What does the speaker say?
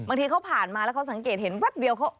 บางทีเขาผ่านมาแล้วเขาสังเกตเห็นแป๊บเดียวเขา